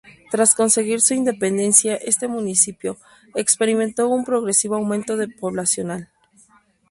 Tras conseguir su independencia este municipio, experimentó un progresivo aumento poblacional.